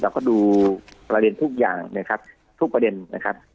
เราก็ดูประเด็นทุกอย่างนะครับทุกประเด็นนะครับ